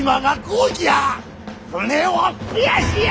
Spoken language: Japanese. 船を増やしや！